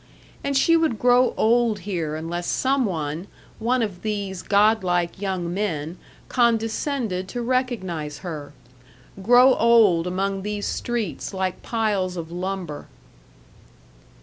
And she would grow old here unless some one, one of these godlike young men, condescended to recognize her. Grow old among these streets like piles of lumber.